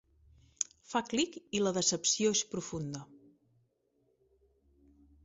Fa clic i la decepció és profunda.